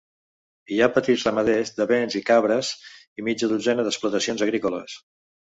Hi ha petits ramaders de bens i de cabres, i mitja dotzena d'explotacions agrícoles.